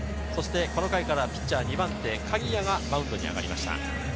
この回からピッチャー２番手・鍵谷がマウンドに上がりました。